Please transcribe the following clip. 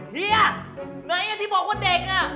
เฮียไหนอ่ะที่บอกว่าเด็กอ่ะ